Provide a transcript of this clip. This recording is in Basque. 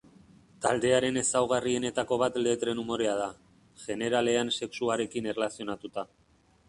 Taldearen ezaugarrienetako bat letren umorea da, jeneralean sexuarekin erlazionatuta.